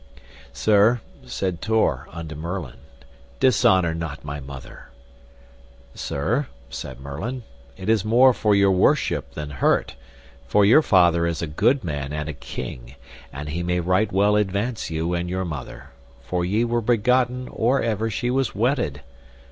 Sir, said Tor unto Merlin, dishonour not my mother. Sir, said Merlin, it is more for your worship than hurt, for your father is a good man and a king, and he may right well advance you and your mother, for ye were begotten or ever she was wedded.